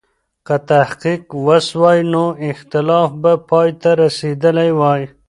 که تحقیق و سوای، نو اختلاف به پای ته رسېدلی وای.